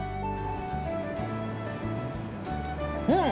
うん！